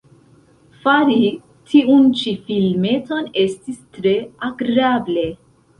Fari tiun ĉi filmeton estis tre agrable.